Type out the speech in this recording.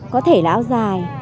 có thể là áo dài